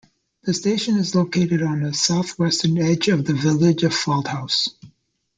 The station is located on the south-western edge of the village of Fauldhouse.